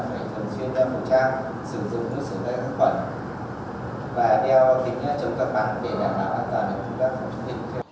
và đeo tính trong các bảng để đảm bảo an toàn các phòng chống dịch